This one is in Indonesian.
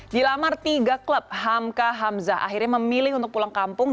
di lamar tiga klub hamka hamzah akhirnya memilih untuk pulang kampung